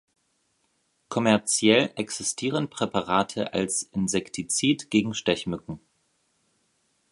Kommerziell existieren Präparate als Insektizid gegen Stechmücken.